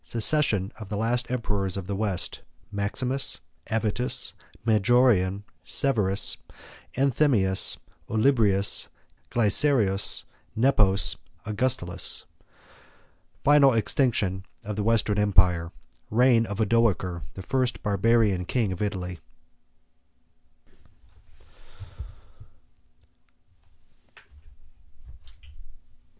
—Succession Of The Last Emperors Of The West, Maximus, Avitus, Majorian, Severus, Anthemius, Olybrius, Glycerius, Nepos, Augustulus.—Total Extinction Of The Western Empire.—Reign Of Odoacer, The First Barbarian King Of Italy.